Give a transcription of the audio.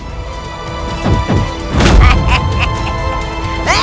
tidak ada jalan lain lagi